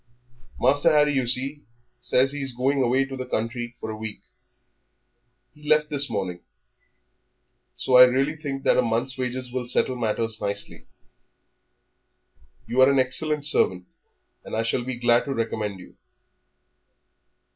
Master Harry, you see, says that he is going away to the country for a week. He left this morning. So I really think that a month's wages will settle matters nicely. You are an excellent servant, and I shall be glad to recommend you."